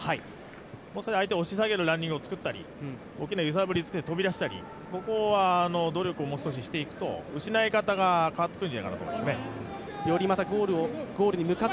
もう少し相手を押し下げるランニングを作ったり、大きな揺さぶりつけて飛び出したりここは努力をもう少ししていくと失い方が変わってくるんじゃないかと思います。